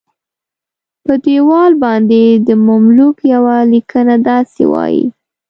په دیوال باندې د مملوک یوه لیکنه داسې وایي.